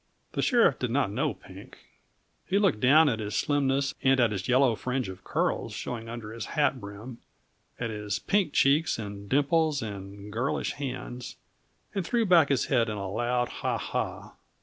The sheriff did not know Pink; he looked down at his slimness and at the yellow fringe of curls showing under his hat brim, at his pink cheeks and dimples and girlish hands, and threw back his head in a loud ha! ha!